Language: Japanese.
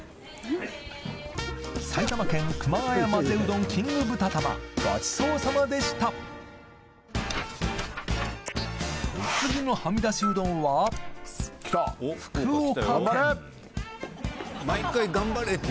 埼玉県熊谷まぜうどんキング豚玉ごちそうさまでしたお次のはみだしうどんは福岡県頑張れ！